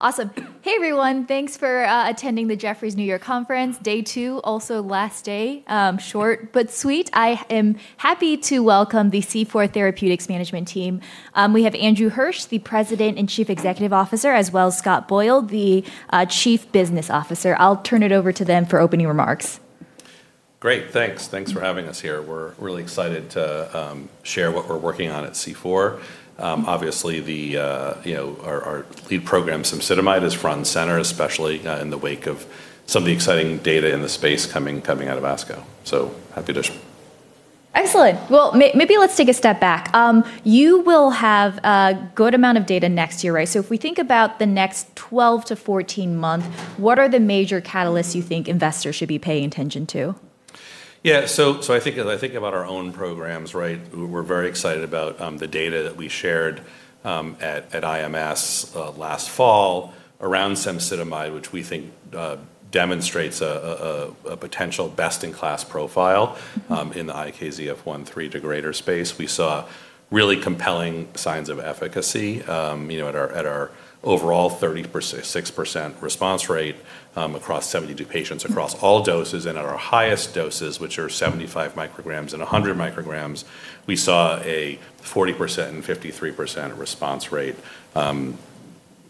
Awesome. Hey, everyone. Thanks for attending the Jefferies New York Conference, day two, also last day. Short but sweet. I am happy to welcome the C4 Therapeutics management team. We have Andrew Hirsch, the President and Chief Executive Officer, as well as Scott Boyle, the Chief Business Officer. I'll turn it over to them for opening remarks. Great. Thanks. Thanks for having us here. We're really excited to share what we're working on at C4. Obviously, our lead program, cemsidomide, is front and center, especially in the wake of some of the exciting data in the space coming out of ASCO. Happy to join. Excellent. Well, maybe let's take a step back. You will have a good amount of data next year, right? If we think about the next 12-14 months, what are the major catalysts you think investors should be paying attention to? As I think about our own programs, we're very excited about the data that we shared at ASH last fall around cemsidomide, which we think demonstrates a potential best-in-class profile in the IKZF1/3 degrader space. We saw really compelling signs of efficacy at our overall 36% response rate across 72 patients across all doses. At our highest doses, which are 75 micrograms and 100 micrograms, we saw a 40% and 53% response rate,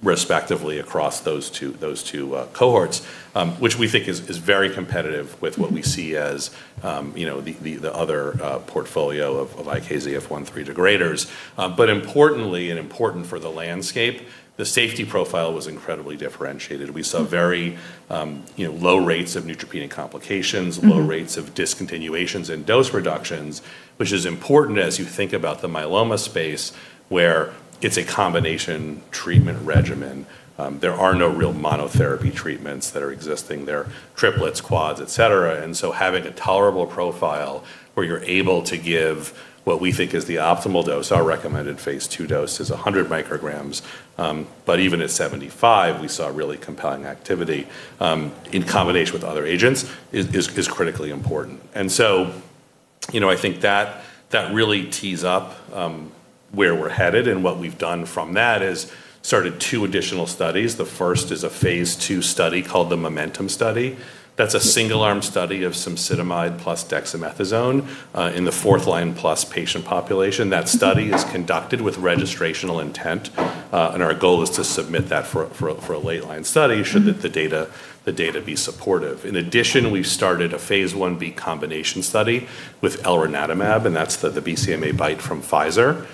respectively, across those two cohorts, which we think is very competitive with what we see as the other portfolio of IKZF1/3 degraders. Importantly, and important for the landscape, the safety profile was incredibly differentiated. We saw very low rates of neutropenic complications, low rates of discontinuations and dose reductions, which is important as you think about the myeloma space, where it's a combination treatment regimen. There are no real monotherapy treatments that are existing. There are triplets, quads, etc. Having a tolerable profile where you're able to give what we think is the optimal dose, our recommended phase II dose is 100 micrograms, but even at 75, we saw really compelling activity in combination with other agents, is critically important. I think that really tees up where we're headed. What we've done from that is started two additional studies. The first is a phase II study called the MOMENTUM Study. That's a single-arm study of cemsidomide plus dexamethasone in the fourth-line-plus patient population. That study is conducted with registrational intent, and our goal is to submit that for a late line study should the data be supportive. In addition, we've started a phase I-B combination study with elranatamab, and that's the BCMA BiTE from Pfizer.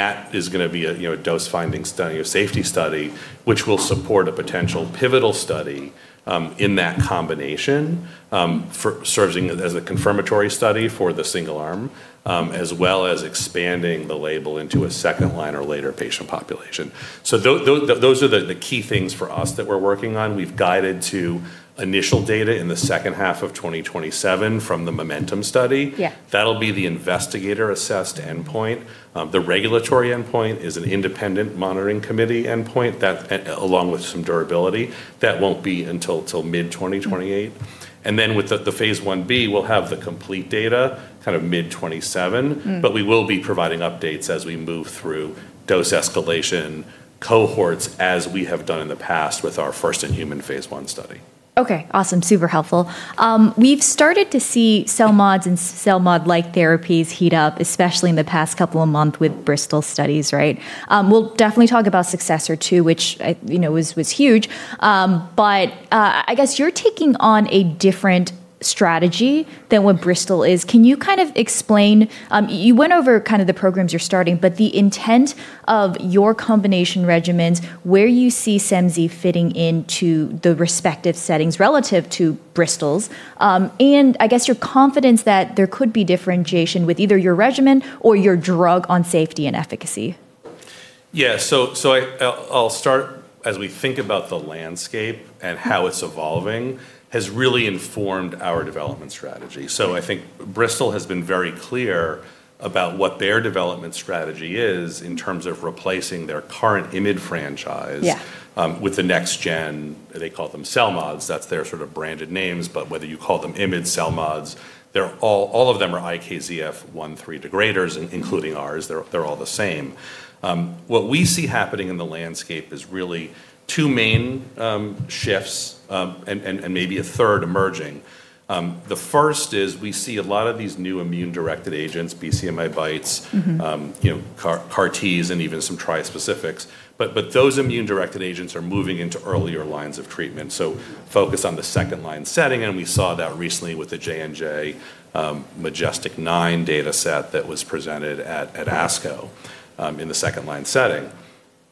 That is going to be a dose-finding study, a safety study, which will support a potential pivotal study in that combination, serving as a confirmatory study for the single arm, as well as expanding the label into a second-line or later patient population. Those are the key things for us that we're working on. We've guided to initial data in the second half of 2027 from the MOMENTUM study. That'll be the investigator-assessed endpoint. The regulatory endpoint is an independent monitoring committee endpoint, along with some durability. That won't be until mid-2028. With the phase I-B, we'll have the complete data mid-2027. We will be providing updates as we move through dose escalation cohorts, as we have done in the past with our first-in-human phase I study. Okay. Awesome. Super helpful. We've started to see CELMoDs and CELMoD-like therapies heat up, especially in the past couple of months with Bristol studies, right? We'll definitely talk about SUCCESSOR-2, which was huge. I guess you're taking on a different strategy than what Bristol is. You went over the programs you're starting, but the intent of your combination regimens, where you see cemsi fitting into the respective settings relative to Bristol's, and I guess your confidence that there could be differentiation with either your regimen or your drug on safety and efficacy. Yeah. I'll start, as we think about the landscape and how it's evolving, has really informed our development strategy. I think Bristol has been very clear about what their development strategy is in terms of replacing their current IMiD franchise with the next gen, they call them CELMoDs. That's their sort of branded names, but whether you call them IMiD, CELMoDs, all of them are IKZF1/3 degraders, including ours. They're all the same. What we see happening in the landscape is really two main shifts, and maybe a third emerging. The first is we see a lot of these new immune-directed agents, BCMA BiTEs. CAR Ts, even some tri-specifics. Those immune-directed agents are moving into earlier lines of treatment, so focused on the second-line setting, and we saw that recently with the J&J MajesTEC-9 data set that was presented at ASCO in the second-line setting.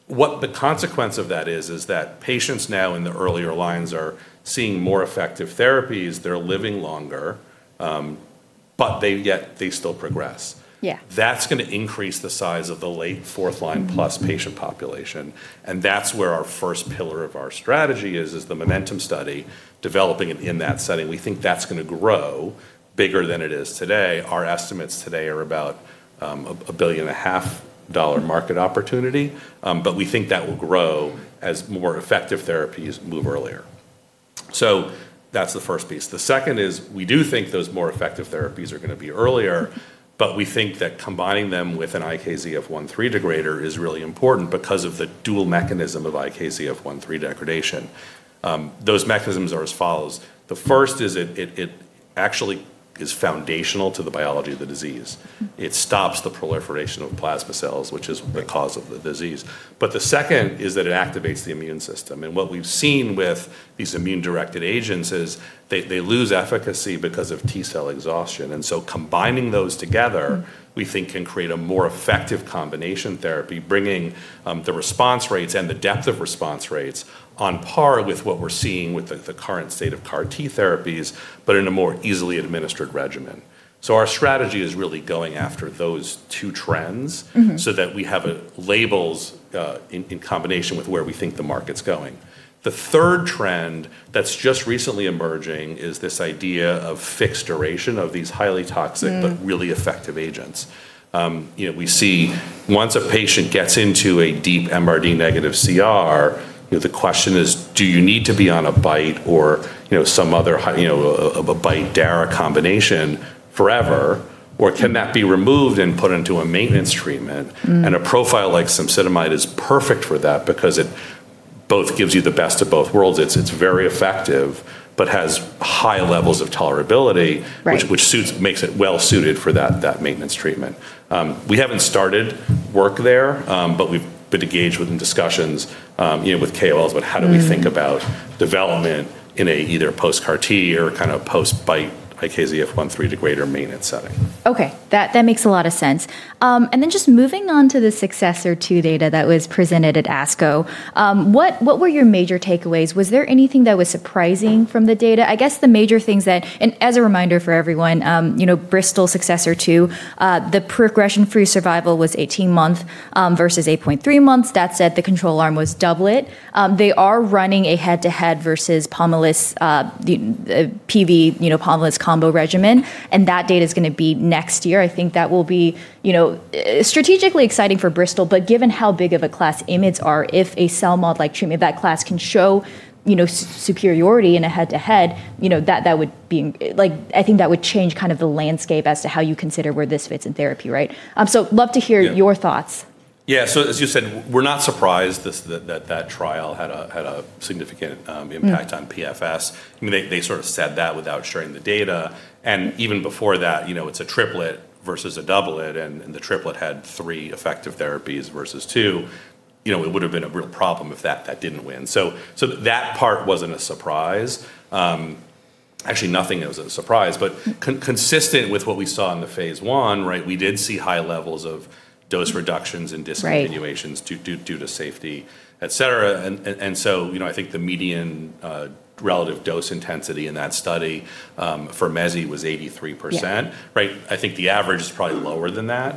What the consequence of that is that patients now in the earlier lines are seeing more effective therapies. They're living longer, but yet they still progress. That's going to increase the size of the late fourth-line-plus patient population. That's where our first pillar of our strategy is the MOMENTUM study developing in that setting. We think that's going to grow bigger than it is today. Our estimates today are about a billion and a half dollar market opportunity. We think that will grow as more effective therapies move earlier. That's the first piece. The second is we do think those more effective therapies are going to be earlier, but we think that combining them with an IKZF1/3 degrader is really important because of the dual mechanism of IKZF1/3 degradation. Those mechanisms are as follows. The first is it actually is foundational to the biology of the disease. It stops the proliferation of plasma cells, which is the cause of the disease. The second is that it activates the immune system. What we've seen with these immune-directed agents is they lose efficacy because of T-cell exhaustion. Combining those together we think can create a more effective combination therapy, bringing the response rates and the depth of response rates on par with what we're seeing with the current state-of-CAR T therapies, but in a more easily administered regimen. Our strategy is really going after those two trends. That we have labels in combination with where we think the market's going. The third trend that's just recently emerging is this idea of fixed duration of these highly toxic. Really effective agents. We see once a patient gets into a deep MRD negative CR, the question is, do you need to be on a BiTE or some other of a BiTE daratumumab combination forever, or can that be removed and put into a maintenance treatment? A profile like cemsidomide is perfect for that because it both gives you the best of both worlds. It's very effective but has high levels of tolerability which makes it well-suited for that maintenance treatment. We haven't started work there, but we've been engaged with in discussions with KOLs about how do we think about development in a either post CAR T or kind of post BiTE IKZF1/3 degrader maintenance setting. Okay. That makes a lot of sense. Then just moving on to the SUCCESSOR-2 data that was presented at ASCO. What were your major takeaways? Was there anything that was surprising from the data? As a reminder for everyone, Bristol SUCCESSOR-2, the progression-free survival was 18 months versus 8.3 months. That said, the control arm was doublet. They are running a head-to-head versus the PV pomalidomide combo regimen, and that data's going to be next year. I think that will be strategically exciting for Bristol. Given how big of a class IMiDs are, if a CELMoD like treatment of that class can show superiority in a head-to-head, I think that would change kind of the landscape as to how you consider where this fits in therapy. Your thoughts. As you said, we're not surprised that that trial had a significant impact on PFS. They sort of said that without sharing the data. Even before that, it's a triplet versus a doublet, and the triplet had three effective therapies versus two. It would've been a real problem if that didn't win. That part wasn't a surprise. Actually, nothing was a surprise, but consistent with what we saw in the phase I, right, we did see high levels of dose reductions and discontinuations due to safety, etc. I think the median relative dose intensity in that study for mezigdomide was 83%. Right. I think the average is probably lower than that,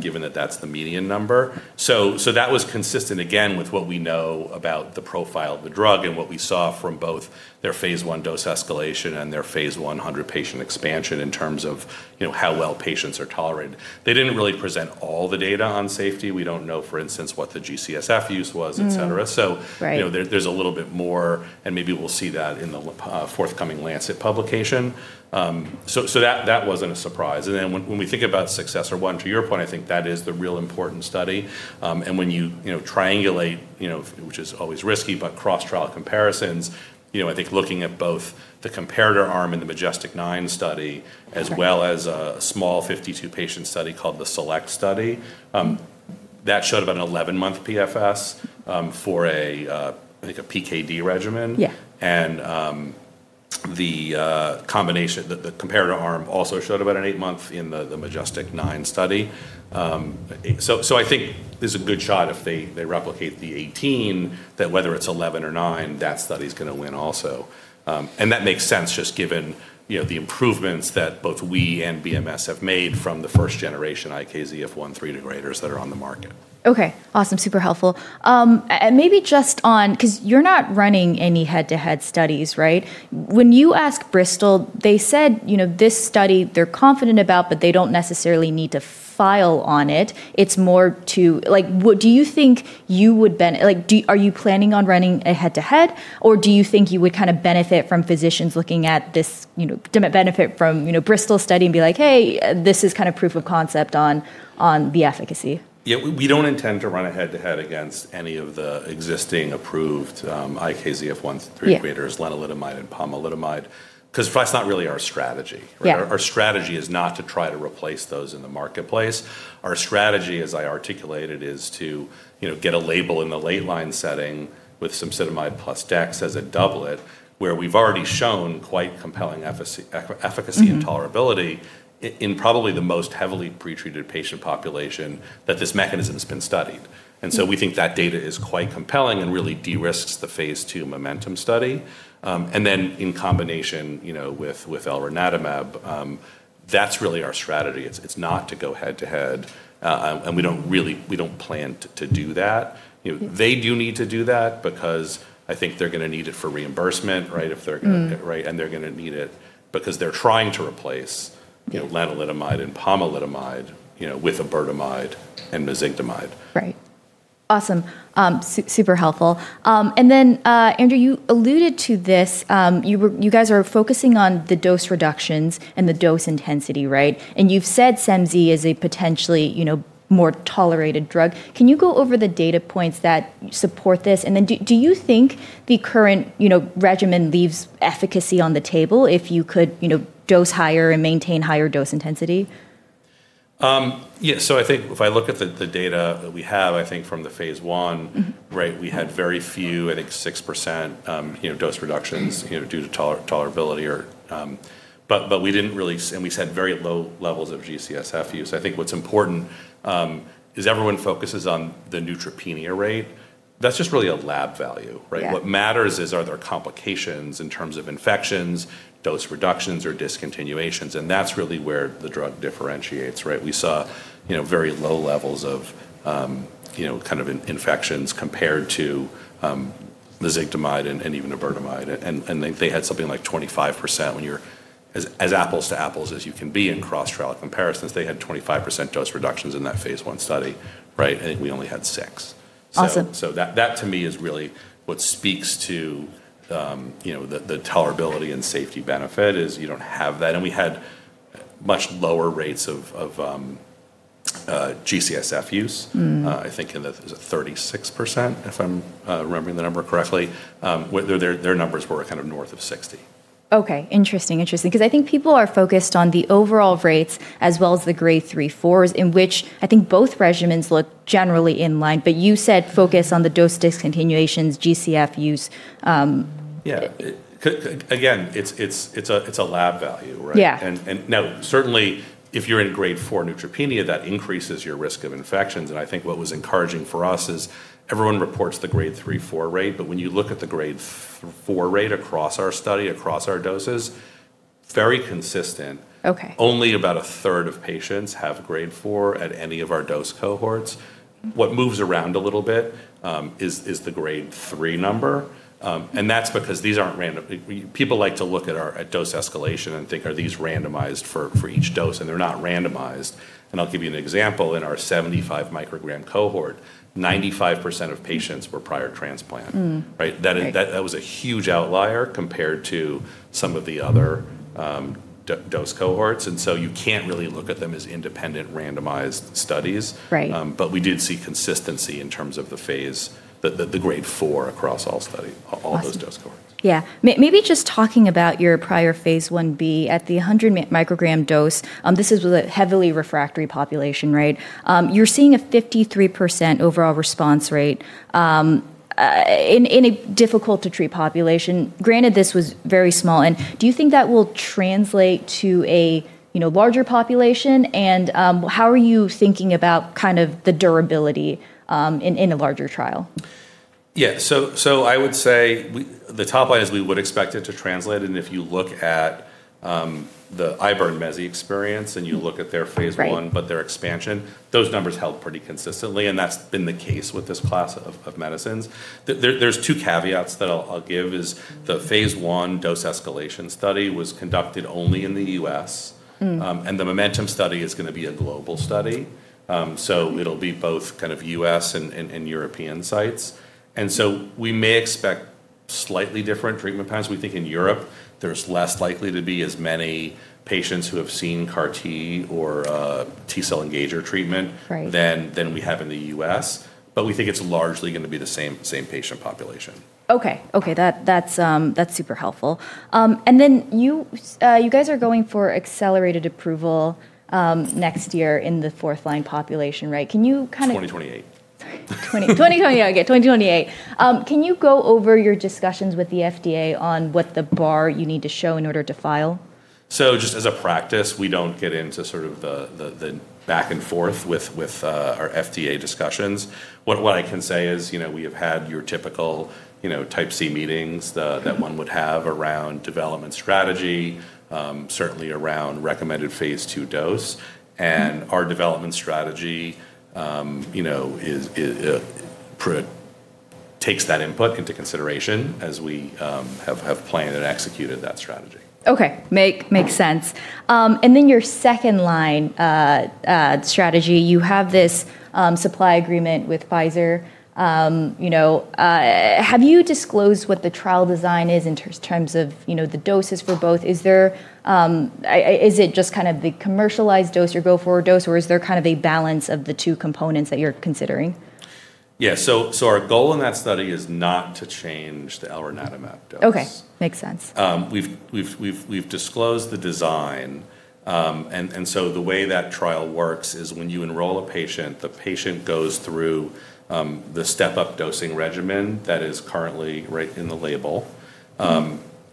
given that that's the median number. That was consistent again with what we know about the profile of the drug and what we saw from both their phase I dose escalation and their phase I 100-patient expansion in terms of how well patients are tolerated. They didn't really present all the data on safety. We don't know, for instance, what the G-CSF use was, etc. There's a little bit more, and maybe we'll see that in the forthcoming Lancet publication. That wasn't a surprise. When we think about SUCCESSOR-1, to your point, I think that is the real important study. When you triangulate, which is always risky, but cross-trial comparisons, I think looking at both the comparator arm in the MajesTEC-9 study as well as a small 52-patient study called the SELECT study, that showed about an 11-month PFS for a, I think, a PVd regimen. The comparator arm also showed about an eight-month in the MajesTEC-9 study. I think there's a good shot if they replicate the 18, that whether it's 11 or nine, that study's going to win also. That makes sense just given the improvements that both we and BMS have made from the first-generation IKZF1/3 degraders that are on the market. Okay. Awesome. Super helpful. Because you're not running any head-to-head studies, right? When you ask Bristol, they said this study they're confident about, but they don't necessarily need to file on it. It's more to. Are you planning on running a head-to-head, or do you think you would kind of benefit from physicians looking at this benefit from Bristol study and be like, Hey, this is kind of proof of concept on the efficacy? Yeah. We don't intend to run a head-to-head against any of the existing approved IKZF1/3 degraders lenalidomide and pomalidomide, because that's not really our strategy, right? Our strategy is not to try to replace those in the marketplace. Our strategy, as I articulated, is to get a label in the late-line setting with cemsidomide plus dex as a doublet, where we've already shown quite compelling efficacy. Tolerability in probably the most heavily pretreated patient population that this mechanism's been studied. We think that data is quite compelling and really de-risks the phase II MOMENTUM study. In combination with elranatamab, that's really our strategy. It's not to go head-to-head. We don't plan to do that. They do need to do that because I think they're going to need it for reimbursement, right? They're going to need it because they're trying to replace lenalidomide and pomalidomide with iberdomide and mezigdomide. Right. Awesome. Super helpful. Andrew, you alluded to this. You guys are focusing on the dose reductions and the dose intensity, right? You've said cemsi is a potentially more tolerated drug. Can you go over the data points that support this? Do you think the current regimen leaves efficacy on the table if you could dose higher and maintain higher dose intensity? Yeah. I think if I look at the data that we have, I think from the phase I we had very few, I think 6%, dose reductions due to tolerability. We just had very low levels of G-CSF use. I think what's important is everyone focuses on the neutropenia rate. That's just really a lab value, right? What matters is, are there complications in terms of infections, dose reductions, or discontinuations, and that's really where the drug differentiates. We saw very low levels of infections compared to mezigdomide and even iberdomide. They had something like 25%. As apples to apples as you can be in cross-trial comparisons, they had 25% dose reductions in that phase I study. I think we only had 6%. Awesome. That to me is really what speaks to the tolerability and safety benefit is you don't have that. We had much lower rates of G-CSF use. I think, is it 36%, if I'm remembering the number correctly. Their numbers were kind of north of 60. Okay. Interesting, because I think people are focused on the overall rates as well as the grade 3/4s, in which I think both regimens look generally in line. You said focus on the dose discontinuations, G-CSF use. Yeah. Again, it's a lab value, right? Now certainly, if you're in grade 4 neutropenia, that increases your risk of infections, and I think what was encouraging for us is everyone reports the grade 3/4 rate. When you look at the grade 4 rate across our study, across our doses, very consistent. Only about a third of patients have grade 4 at any of our dose cohorts. What moves around a little bit is the grade 3 number. That's because these aren't random. People like to look at dose escalation and think, are these randomized for each dose? They're not randomized. I'll give you an example. In our 75 microgram cohort, 95% of patients were prior transplant. That was a huge outlier compared to some of the other dose cohorts. You can't really look at them as independent randomized studies. We did see consistency in terms of the grade 4 across all those dose cohorts. Awesome. Yeah. Maybe just talking about your prior phase I-B at the 100 microgram dose. This is with a heavily refractory population. You're seeing a 53% overall response rate in a difficult-to-treat population, granted this was very small. Do you think that will translate to a larger population? How are you thinking about the durability in a larger trial? Yeah. I would say the top line is we would expect it to translate, and if you look at the ibermez experience, and you look at their phase I. Their expansion, those numbers held pretty consistently, and that's been the case with this class of medicines. There's two caveats that I'll give is the phase I dose escalation study was conducted only in the U.S. The MOMENTUM study is going to be a global study. It'll be both U.S. and European sites. We may expect slightly different treatment patterns. We think in Europe there's less likely to be as many patients who have seen CAR T or T-cell engager treatment than we have in the U.S., but we think it's largely going to be the same patient population. Okay. That's super helpful. Then you guys are going for accelerated approval next year in the fourth-line population. Can you kind of. 2028. Sorry. 2028. Can you go over your discussions with the FDA on what the bar you need to show in order to file? Just as a practice, we don't get into the back and forth with our FDA discussions. What I can say is we have had your typical Type C meetings that one would have around development strategy, certainly around recommended phase II dose. Our development strategy takes that input into consideration as we have planned and executed that strategy. Okay. Makes sense. Then your second-line strategy, you have this supply agreement with Pfizer. Have you disclosed what the trial design is in terms of the doses for both? Is it just the commercialized dose, your go-forward dose, or is there a balance of the two components that you're considering? Yeah. Our goal in that study is not to change the elranatamab dose. Okay. Makes sense. We've disclosed the design. The way that trial works is when you enroll a patient, the patient goes through the step-up dosing regimen that is currently right in the label.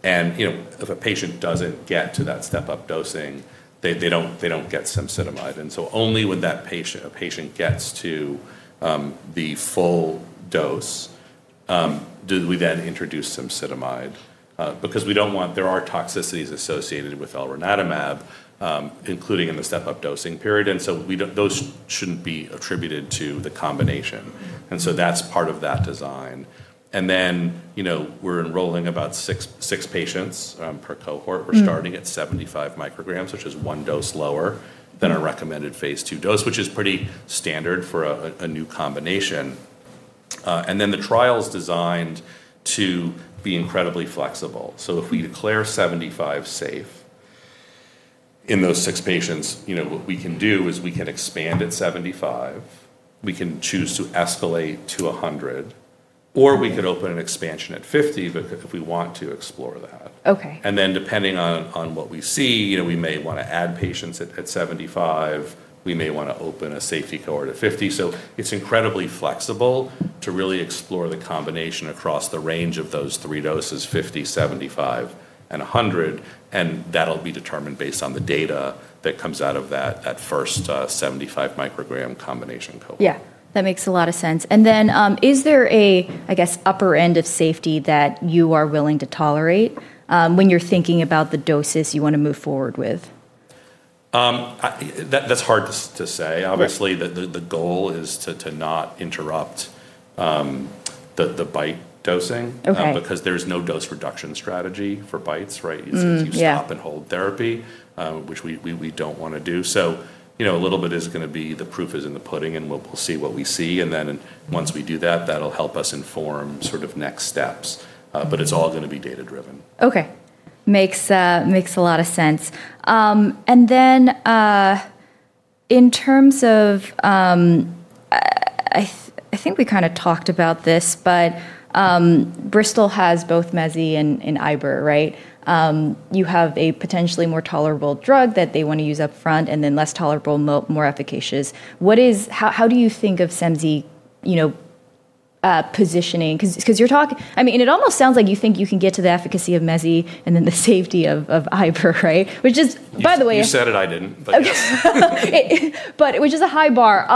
If a patient doesn't get to that step-up dosing, they don't get cemsidomide. Only when that patient gets to the full dose do we then introduce cemsidomide because there are toxicities associated with elranatamab, including in the step-up dosing period. Those shouldn't be attributed to the combination. That's part of that design. We're enrolling about six patients per cohort. We're starting at 75 micrograms, which is one dose lower than our recommended phase II dose, which is pretty standard for a new combination. The trial's designed to be incredibly flexible. If we declare 75 safe in those six patients, what we can do is we can expand at 75. We can choose to escalate to 100, or we could open an expansion at 50 if we want to explore that. Depending on what we see, we may want to add patients at 75. We may want to open a safety cohort at 50. It's incredibly flexible to really explore the combination across the range of those three doses, 50, 75, and 100, and that'll be determined based on the data that comes out of that first 75 microgram combination cohort. Yeah. That makes a lot of sense. Is there a upper end of safety that you are willing to tolerate when you're thinking about the doses you want to move forward with? That's hard to say. Obviously, the goal is to not interrupt the BiTE dosing. There's no dose reduction strategy for BiTEs, right? It's you stop and hold therapy, which we don't want to do. A little bit is going to be the proof is in the pudding, and we'll see what we see. Once we do that'll help us inform next steps. It's all going to be data-driven. Okay. Makes a lot of sense. I think we kind of talked about this, but Bristol has both mezi and IBR, right? You have a potentially more tolerable drug that they want to use upfront and then less tolerable, more efficacious. How do you think of cemsi positioning? It almost sounds like you think you can get to the efficacy of mezi and then the safety of IBR, right? You said it, I didn't, but yes. Which is a high bar.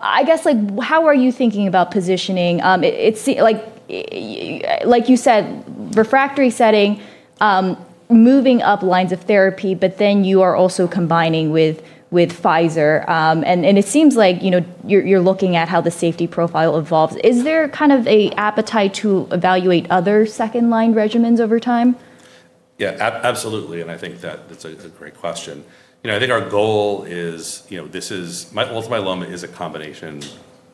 I guess, how are you thinking about positioning? It seems like you said refractory setting, moving up lines of therapy, but then you are also combining with Pfizer. It seems like you're looking at how the safety profile evolves. Is there kind of an appetite to evaluate other second-line regimens over time? Yeah, absolutely. I think that's a great question. I think our goal is multiple myeloma is a combination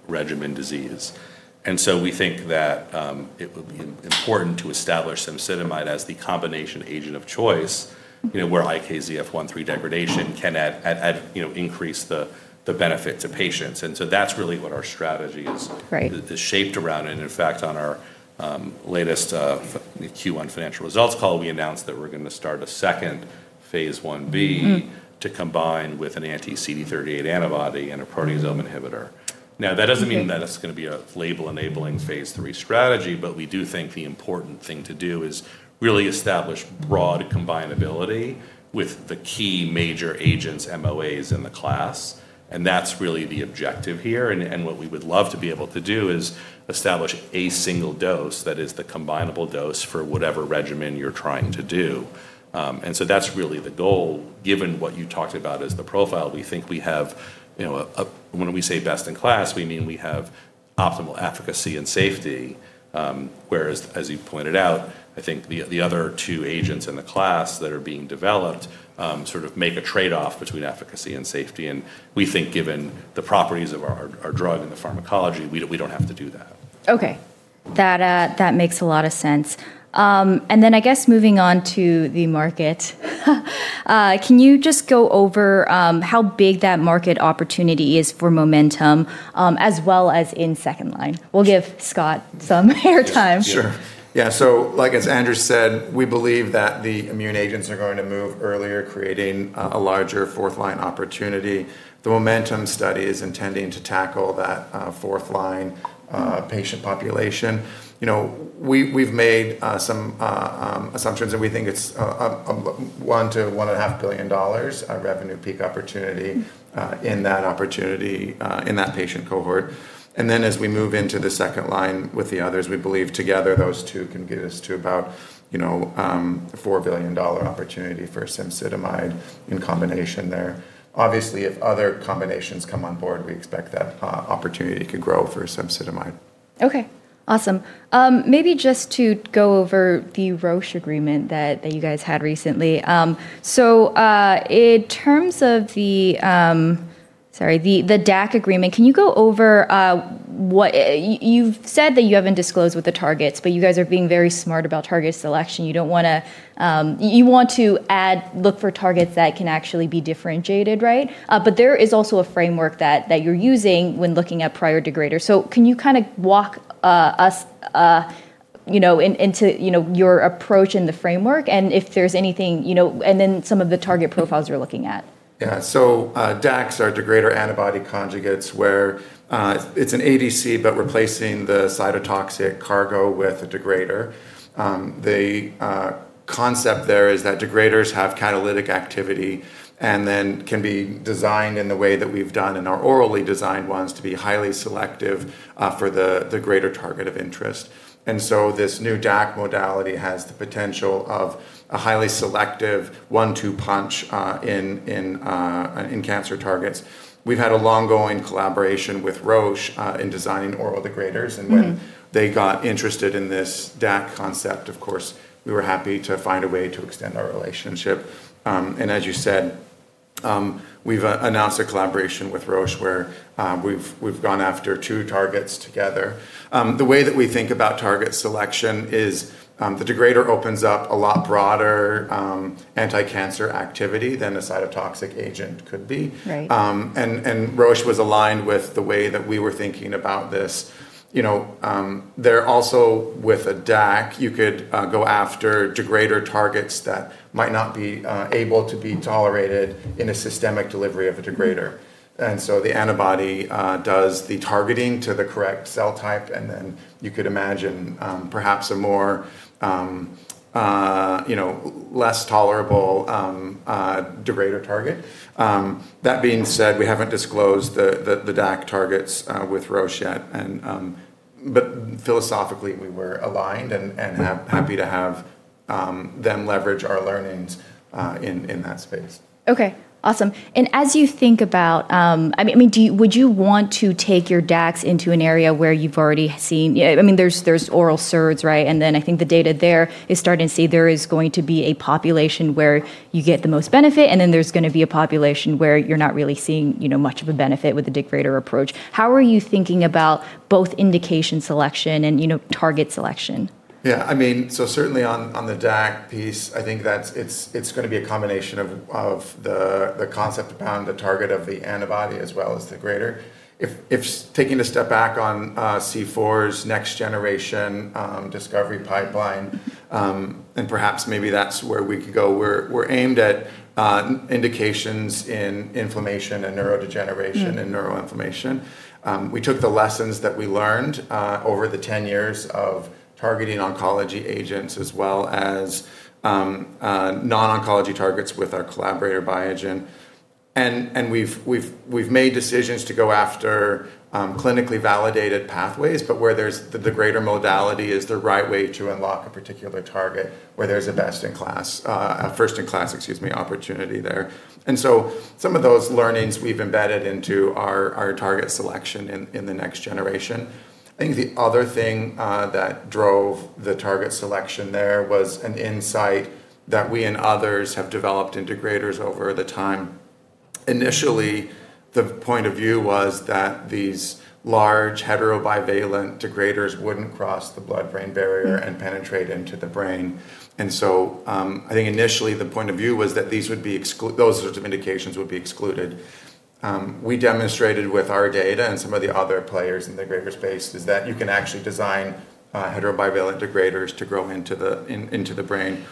regimen disease. We think that it will be important to establish cemsidomide as the combination agent of choice, where IKZF1-3 degradation can increase the benefit to patients. That's really what our strategy is shaped around. In fact, on our latest Q1 financial results call, we announced that we're going to start a second phase I-B to combine with an anti-CD38 antibody and a proteasome inhibitor. That doesn't mean that it's going to be a label-enabling phase III strategy, but we do think the important thing to do is really establish broad combinability with the key major agents, MOAs, in the class, and that's really the objective here. What we would love to be able to do is establish a single dose that is the combinable dose for whatever regimen you're trying to do. That's really the goal. Given what you talked about as the profile, we think we have. When we say best in class, we mean we have optimal efficacy and safety, whereas, as you pointed out. I think the other two agents in the class that are being developed sort of make a trade-off between efficacy and safety. We think given the properties of our drug and the pharmacology, we don't have to do that. Okay. That makes a lot of sense. I guess moving on to the market, can you just go over how big that market opportunity is for MOMENTUM as well as in second-line? We'll give Scott some airtime. Sure. Yeah. As Andrew said, we believe that the immune agents are going to move earlier, creating a larger fourth-line opportunity. The MOMENTUM study is intending to tackle that 4th-line patient population. We've made some assumptions, and we think it's $1 billion-$1.5 billion revenue peak opportunity in that patient cohort. As we move into the 2nd line with the others, we believe together those two can get us to about a $4 billion opportunity for cemsidomide in combination there. Obviously, if other combinations come on board, we expect that opportunity could grow for cemsidomide. Okay. Awesome. Maybe just to go over the Roche agreement that you guys had recently. In terms of the DAC agreement, can you go over You've said that you haven't disclosed what the target's, but you guys are being very smart about target selection. You want to look for targets that can actually be differentiated, right? There is also a framework that you're using when looking at prior degraders. Can you kind of walk us into your approach in the framework, and if there's anything, and then some of the target profiles you're looking at? Yeah. DACs are degrader-antibody conjugates, where it's an ADC, but replacing the cytotoxic cargo with a degrader. The concept there is that degraders have catalytic activity and then can be designed in the way that we've done in our orally designed ones to be highly selective for the greater target of interest. This new DAC modality has the potential of a highly selective one-two punch in cancer targets. We've had a long-going collaboration with Roche in designing oral degraders. When they got interested in this DAC concept, of course, we were happy to find a way to extend our relationship. As you said. We've announced a collaboration with Roche where we've gone after two targets together. The way that we think about target selection is the degrader opens up a lot broader anticancer activity than a cytotoxic agent could be. Roche was aligned with the way that we were thinking about this. There also, with a DAC, you could go after degrader targets that might not be able to be tolerated in a systemic delivery of a degrader. The antibody does the targeting to the correct cell type, and then you could imagine perhaps a less tolerable, degrader target. That being said, we haven't disclosed the DAC targets with Roche yet, but philosophically, we were aligned and happy to have them leverage our learnings in that space. Okay. Awesome. As you think about, would you want to take your DACs into an area where you've already seen? There's oral SERDs, right? Then I think the data there is starting to say there is going to be a population where you get the most benefit, and then there's going to be a population where you're not really seeing much of a benefit with the degrader approach. How are you thinking about both indication selection and target selection? Yeah. Certainly on the DAC piece, I think that it's going to be a combination of the concept upon the target of the antibody as well as the degrader. If taking a step back on C4's next generation discovery pipeline, and perhaps maybe that's where we could go, we're aimed at indications in inflammation and neurodegeneration and neuroinflammation. We took the lessons that we learned over the 10 years of targeting oncology agents as well as non-oncology targets with our collaborator, Biogen. We've made decisions to go after clinically validated pathways, but where the degrader modality is the right way to unlock a particular target, where there's a best in class, a first in class, excuse me, opportunity there. Some of those learnings we've embedded into our target selection in the next generation. I think the other thing that drove the target selection there was an insight that we and others have developed degraders over the time. Initially, the point of view was that these large heterobifunctional degraders wouldn't cross the blood-brain barrier and penetrate into the brain. I think initially the point of view was that those sorts of indications would be excluded. We demonstrated with our data and some of the other players in the degrader space is that you can actually design heterobifunctional degraders to grow into the brain.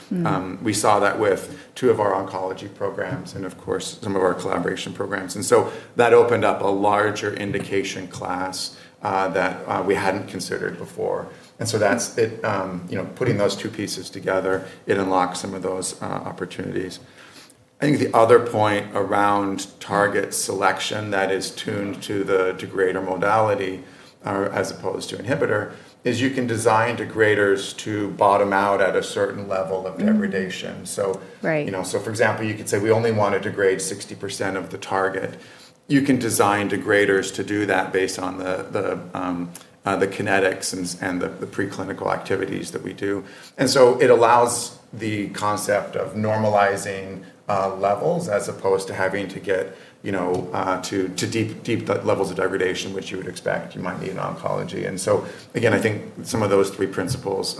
We saw that with two of our oncology programs and of course some of our collaboration programs, that opened up a larger indication class that we hadn't considered before. That's it. Putting those two pieces together, it unlocks some of those opportunities. I think the other point around target selection that is tuned to the degrader modality, as opposed to inhibitor, is you can design degraders to bottom out at a certain level of degradation. For example, you could say we only want a degrader 60% of the target. You can design degraders to do that based on the kinetics and the preclinical activities that we do. It allows the concept of normalizing levels as opposed to having to get to deep levels of degradation, which you would expect you might need in oncology. Again, I think some of those three principles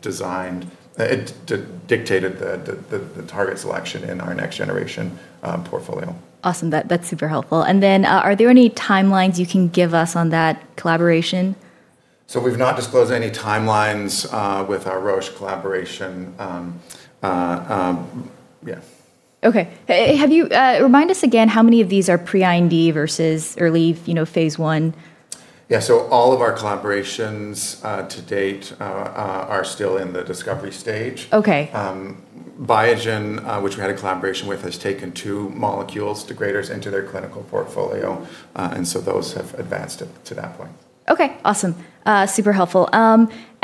dictated the target selection in our next generation portfolio. Awesome. That's super helpful. Are there any timelines you can give us on that collaboration? We've not disclosed any timelines with our Roche collaboration. Okay. Remind us again how many of these are pre-IND versus early phase I? All of our collaborations to date are still in the discovery stage. Biogen, which we had a collaboration with, has taken two molecules, degraders, into their clinical portfolio. Those have advanced it to that point. Okay. Awesome. Super helpful.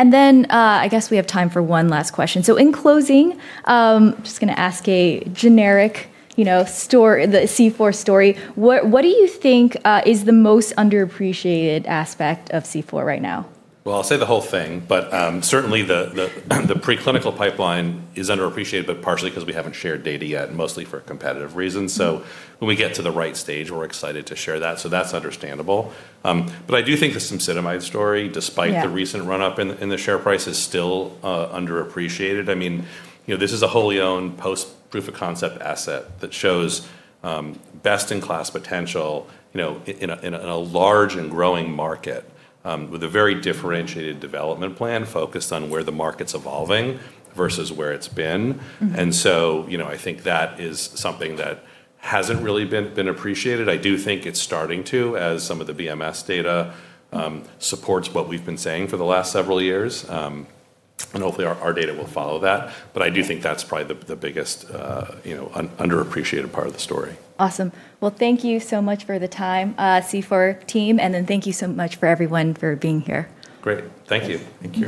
I guess we have time for one last question. In closing, I'm just going to ask a generic C4 story. What do you think is the most underappreciated aspect of C4 right now? Well, I'll say the whole thing, but certainly the preclinical pipeline is underappreciated, but partially because we haven't shared data yet, mostly for competitive reasons. When we get to the right stage, we're excited to share that. That's understandable. I do think the cemsidomide story. The recent run-up in the share price is still underappreciated. This is a wholly owned post proof of concept asset that shows best in class potential, in a large and growing market, with a very differentiated development plan focused on where the market's evolving versus where it's been. I think that is something that hasn't really been appreciated. I do think it's starting to, as some of the BMS data supports what we've been saying for the last several years. Hopefully our data will follow that. I do think that's probably the biggest underappreciated part of the story. Awesome. Well, thank you so much for the time, C4 team. Thank you so much for everyone for being here. Great. Thank you. Thanks. Thank you.